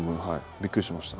びっくりしました。